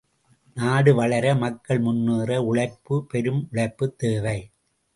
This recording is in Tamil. நாடு வளர, மக்கள் முன்னேற, உழைப்பு, பெரும் உழைப்புத் தேவை.